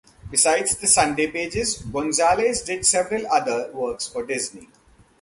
Beside the Sunday pages, Gonzales did several other works for Disney.